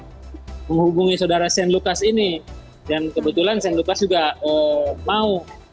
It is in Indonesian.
yang terakhir ya menghubungi saudara saint lucas ini dan kebetulan saint lucas juga mau